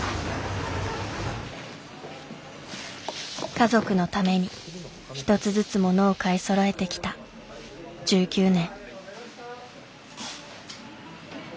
家族のために一つずつ物を買いそろえてきた１９年。